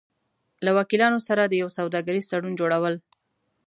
-له وکیلانو سره د یو سوداګریز تړون جوړو ل